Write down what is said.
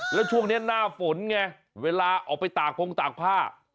แล้วช่วงนี้หน้าฝนไงเวลาออกไปตากพงตากผ้า